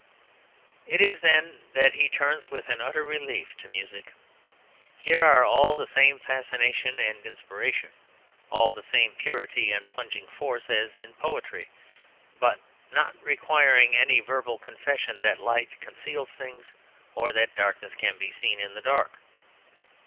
It is then that he turns with an utter relief to music. Here are all the same fascination and inspiration, all the same purity and plunging force as in poetry; but not requiring any verbal confession that light conceals things or that darkness can be seen in the dark.